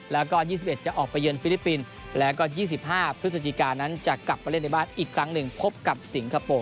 แล้วก็๒๑จะออกไปเยินฟิลิปปินส์